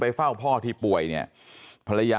ไปเฝ้าพ่อที่ป่วยเนี่ย